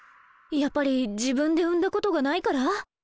やっぱり自分で産んだことがないから？